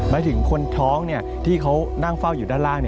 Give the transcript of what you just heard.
หมายถึงคนท้องที่เขานั่งเฝ้าอยู่ด้านล่าง